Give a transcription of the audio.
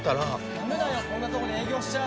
ダメだよこんなとこで営業しちゃ